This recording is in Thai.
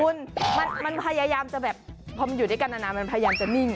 คุณมันพยายามจะแบบพอมันอยู่ด้วยกันนานมันพยายามจะนิ่ง